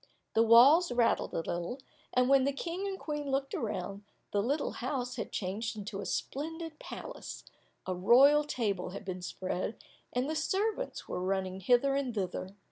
The walls rattled a little, and when the King and Queen looked round, the little house had changed into a splendid palace, a royal table had been spread, and the servants were running hither and thither.